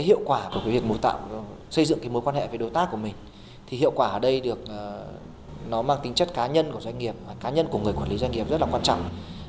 hiệu quả của việc xây dựng cái mối quan hệ với đối tác của mình thì hiệu quả ở đây nó mang tính chất cá nhân của doanh nghiệp và cá nhân của người quản lý doanh nghiệp rất là quan trọng